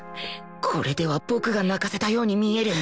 これでは僕が泣かせたように見える